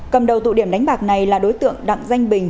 cầm đầu tụ điểm đánh bạc này là đối tượng đặng danh bình